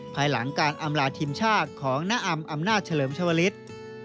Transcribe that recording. ภายหลังการอำลาทีมชาติของน้าอำอำนาจเฉลิมชวลิศ